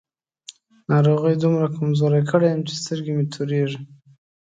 ناروغۍ دومره کمزوری کړی يم چې سترګې مې تورېږي.